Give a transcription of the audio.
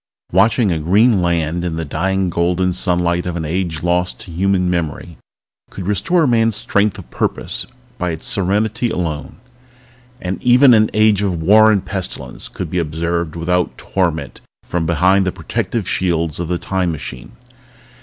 Watching a green land in the dying golden sunlight of an age lost to human memory could restore a man's strength of purpose by its serenity alone. But even an age of war and pestilence could be observed without torment from behind the protective shields of the Time Machine.